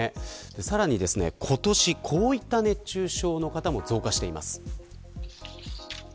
さらに、今年こういった熱中症の方も増加しています。